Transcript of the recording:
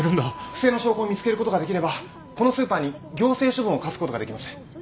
不正の証拠を見つけることができればこのスーパーに行政処分を科すことができます。